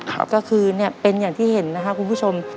ก็คือเนี่ยเป็นอย่างที่เห็นนะคะคุณผู้ชม